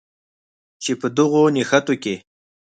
چې په دغو نښتو کې